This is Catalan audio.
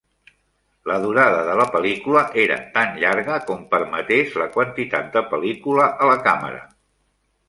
La durada de la pel·lícula era tan llarga com permetés la quantitat de pel·lícula a la càmera.